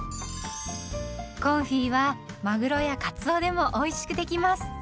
コンフィはマグロやカツオでもおいしくできます。